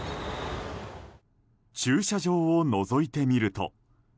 駐車場をのぞいてみると。